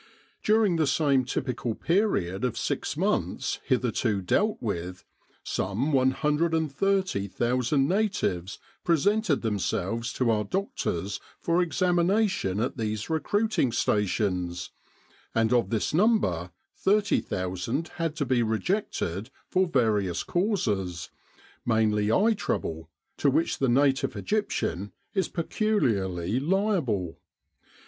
During the same typical period of six months hitherto dealt with, some 130,000 natives pre sented themselves to our doctors for examination at these recruiting stations, and of this number 30,000 had to be rejected for various causes, mainly eye trouble, to which the native Egyptian is peculiarly liable.